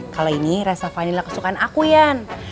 kalau ini rasa vanila kesukaan aku yan